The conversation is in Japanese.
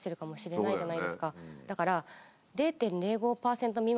だから。